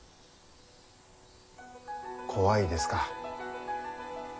怖いですか？